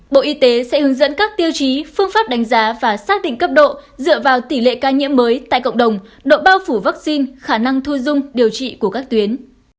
bộ y tế sẽ hướng dẫn các tiêu chí phương pháp đánh giá và xác định cấp độ dựa vào tỷ lệ ca nhiễm mới tại cộng đồng độ bao phủ vaccine khả năng thu dung điều trị của các tuyến